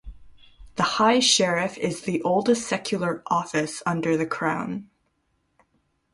The High Sheriff is the oldest secular office under the Crown.